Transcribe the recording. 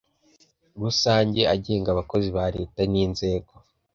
rusange agenga abakozi ba Leta n inzego